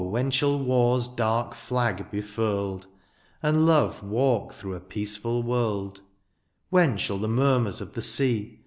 when shall war's dark flag be furled^ And love walk through a peaceful world ; When shall the murmurs of the sea.